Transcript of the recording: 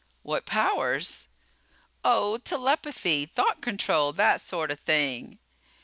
"What powers?" "Oh, telepathy, thought control that sort of thing."